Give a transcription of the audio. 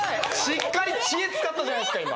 しっかり知恵使ったじゃないですか今。